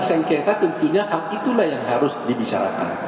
sengketa tentunya hal itulah yang harus dibicarakan